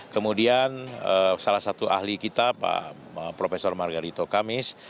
kemudian salah satu ahli kita pak profesor margarito kamis